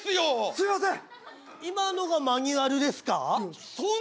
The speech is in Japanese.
すいません！